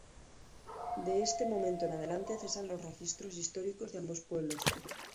De este momento en delante cesan los registros históricos de ambos pueblos.